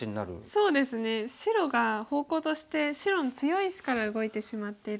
そうですね白が方向として白の強い石から動いてしまってるので。